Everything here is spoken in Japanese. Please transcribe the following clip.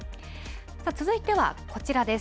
続いてはこちらです。